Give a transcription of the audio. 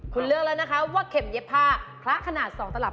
คุณเลือกแล้วนะคะว่าเข็มเย็บผ้าคละขนาด๒ตลับ